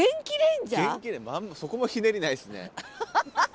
そこもひねりないですね。